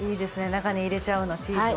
中に入れちゃうのチーズを。